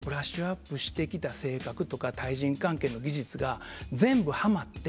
完全に今までブラッシュアップしてきた性格とか対人関係の技術が全部はまって。